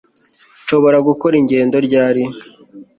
Nshobora gukora ingendo ryari